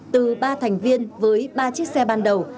từ ba thành viên với ba chiếc xe ban đầu